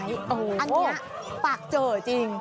อันนี้ปากเจอจริง